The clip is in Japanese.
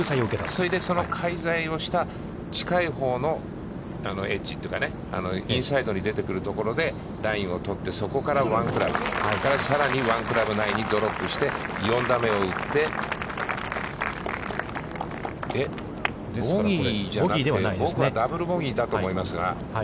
それでその介在をした近いほうのエッジというか、インサイドに出てくるところで、ラインを取ってそこから１クラブ、そこからさらにワンクラブ内にドロップして、４打目を打って、ボギーじゃなくて、僕はダブル・ボギーだと思いますが。